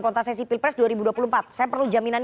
kontestasi pilpres dua ribu dua puluh empat saya perlu jaminan